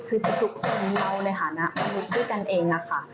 คือทุกคนเราในฐานะมนุษย์ด้วยกันเองนะคะ